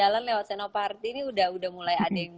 lewat seno party ini udah mulai ada yang